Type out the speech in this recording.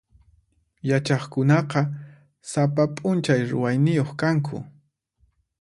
Yachaqkunaqa sapa p'unchay ruwayniyuq kanku.